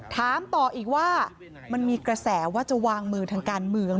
ถามต่ออีกว่ามันมีกระแสว่าจะวางมือทางการเมือง